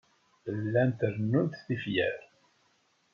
Llant rennunt tifyar.